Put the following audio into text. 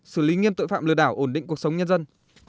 xử lý nghiêm tội phạm lừa đảo ổn định cuộc sống nhân dân